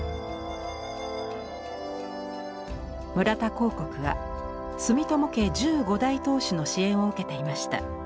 村田香谷は住友家１５代当主の支援を受けていました。